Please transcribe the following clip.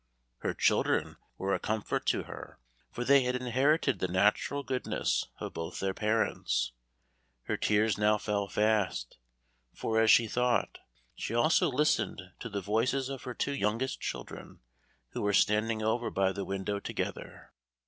Her children were a comfort to her, for they had inherited the natural goodness of both their parents. Her tears now fell fast, for as she thought, she also listened to the voices of her two youngest children who were standing over by the window together.